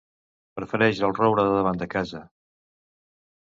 Prefereix el roure de davant de casa.